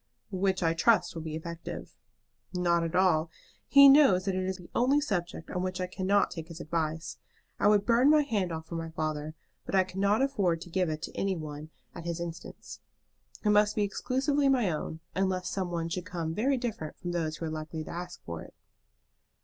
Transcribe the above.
"Which I trust will be effective." "Not at all. He knows that it is the only subject on which I cannot take his advice. I would burn my hand off for my father, but I cannot afford to give it to any one at his instance. It must be exclusively my own, unless some one should come very different from those who are likely to ask for it."